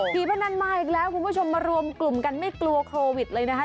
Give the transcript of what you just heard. พนันมาอีกแล้วคุณผู้ชมมารวมกลุ่มกันไม่กลัวโควิดเลยนะคะ